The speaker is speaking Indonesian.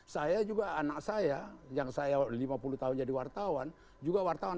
saya juga anak saya yang saya lima puluh tahun jadi wartawan juga wartawan